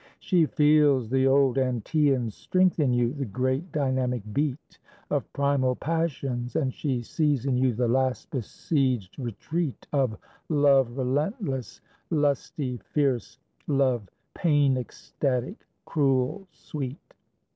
She feels the old Antaean strength In you, the great dynamic beat Of primal passions, and she sees In you the last besieged retreat Of love relentless, lusty, fierce, Love pain ecstatic, cruel sweet.